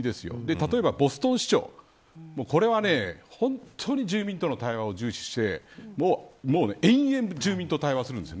例えば、ボストン市長はこれは本当に住民との対話を重視していて永遠に住民と対話するんです。